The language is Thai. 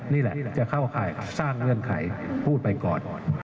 นี่แหละจะเข้าข่ายสร้างเงื่อนไขพูดไปก่อน